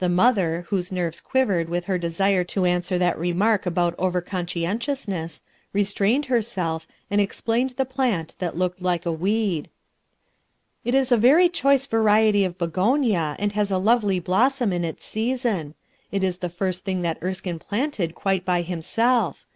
The mother, whose nerves quivered with her desire to answer that remark about over conscientious ness, restrained herself and explained the plant that looked like a weed. "It is a very choice variety of begonia and has a lovely blossom in its season. It is the first thing that Erskine planted quite by himself.